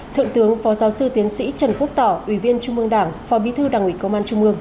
thượng tướng phó giáo sư tiến sĩ trần quốc tỏ ủy viên trung mương đảng phó bí thư đảng ủy công an trung mương